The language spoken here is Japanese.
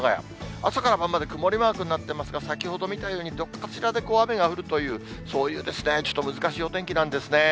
朝から晩まで曇りマークになってますが、先ほど見たように、どこかしらで雨が降るという、そういうちょっと難しいお天気なんですね。